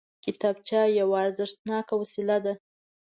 کتابچه یوه ارزښتناکه وسیله ده